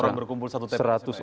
seratus orang berkumpul satu tps